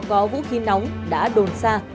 có vũ khí nóng đã đồn xa